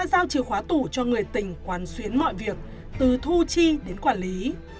dũng đã giao chìa khóa tủ cho người tỉnh quán xuyến mọi việc từ thu chi đến quản lý